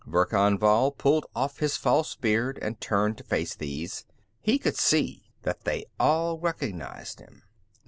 Verkan Vall pulled off his false beard and turned to face these. He could see that they all recognized him.